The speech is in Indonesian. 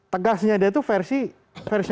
tegasnya dia itu versi